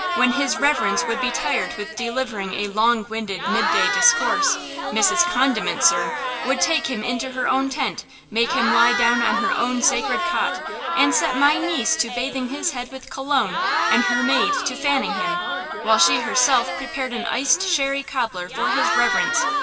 when 'his reverence' would be tired with delivering a long winded mid day discourse, Mrs. Condiment, sir, would take him into her own tent–make him lie down on her own sacred cot, and set my niece to bathing his head with cologne and her maid to fanning him, while she herself prepared an iced sherry cobbler for his reverence!